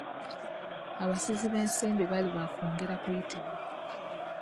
Abasizi b'ensimbi baali bakwongerwa kuyitibwa.